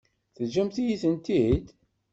Teǧǧamt-iyi-tent-id?